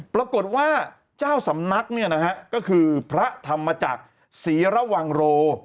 ปรากฏว่าเจ้าสำนักเนี่ยนะฮะก็คือพระธรรมจักรศรีระวังโร